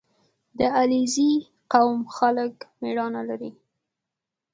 • د علیزي قوم خلک مېړانه لري.